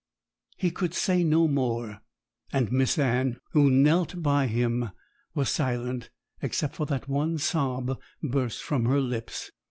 He could say no more; and Miss Anne, who knelt by him, was silent, except that one sob burst from her lips.